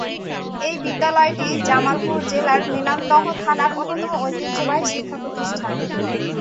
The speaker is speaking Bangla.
এই বিদ্যালয়টি জামালপুর জেলার মেলান্দহ থানার অন্যতম ঐতিহ্যবাহী শিক্ষা প্রতিষ্ঠান।